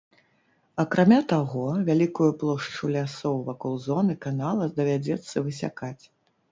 Акрамя таго, вялікую плошчу лясоў вакол зоны канала давядзецца высякаць.